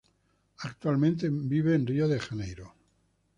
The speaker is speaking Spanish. Actualmente vive en Rio de Janeiro.